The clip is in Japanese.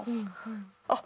あっ！